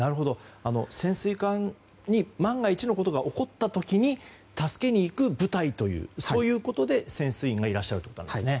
潜水艦に万が一のことが起こった時に助けに行く部隊ということで潜水員がいらっしゃるということですね。